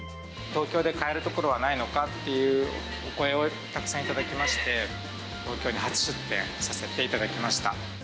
東京で買える所はないのかっていうお声をたくさん頂きまして、東京に初出店させていただきました。